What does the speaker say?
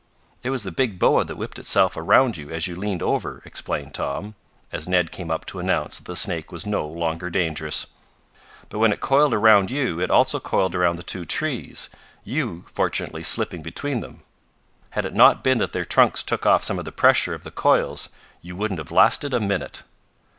"It was the big boa that whipped itself around you, as you leaned over," explained Tom, as Ned came up to announce that the snake was no longer dangerous. "But when it coiled around you it also coiled around the two trees, you, fortunately slipping between them. Had it not been that their trunks took off some of the pressure of the coils you wouldn't have lasted a minute."